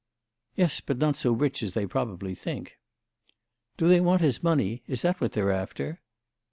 "Yes, but not so rich as they probably think." "Do they want his money? Is that what they're after?"